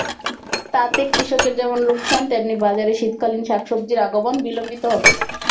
তাতে কৃষকের যেমন লোকসান, তেমনি বাজারে শীতকালীন শাকসবজির আগমন বিলম্বিত হবে।